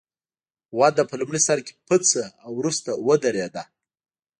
وده په لومړي سر کې پڅه او وروسته ودرېده.